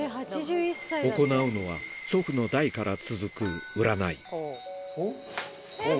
行うのは祖父の代から続く占い法。